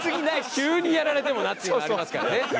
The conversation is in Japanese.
急にやられてもなっていうのありますからね。